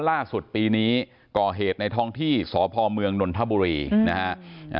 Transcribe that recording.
ล่าสุดปีนี้ก่อเหตุในท้องที่สพเมืองนนทบุรีนะฮะ